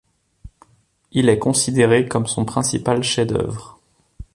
Il est considéré comme son principal chef-d'œuvre.